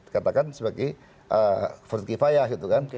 katakan sebagai vertikifaya gitu kan